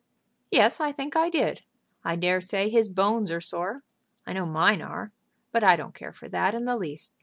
"Yes; I think I did. I dare say his bones are sore. I know mine are. But I don't care for that in the least.